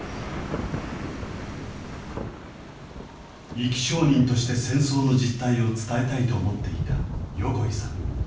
生き証人として戦争の実態を伝えたいと思っていた横井さん。